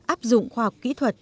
áp dụng khoa học kỹ thuật